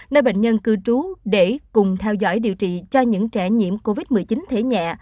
nơi bệnh nhân cư trú để cùng theo dõi điều trị cho những trẻ nhiễm covid một mươi chín thể nhẹ